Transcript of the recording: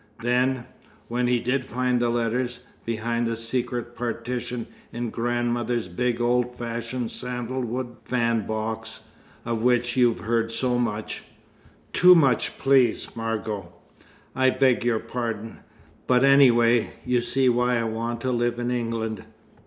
Then, when he did find the letters, behind the secret partition in grandmother's big old fashioned sandal wood fan box, of which you've heard so much " "Too much, please, Margot." "I beg your pardon! But anyway, you see why I want to live in England.